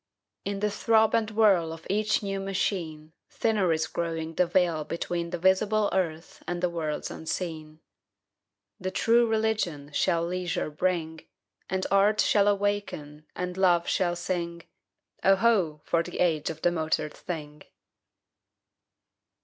In the throb and whir of each new machine Thinner is growing the veil between The visible earth and the worlds unseen. The True Religion shall leisure bring; And Art shall awaken and Love shall sing: Oh, ho! for the age of the motored thing!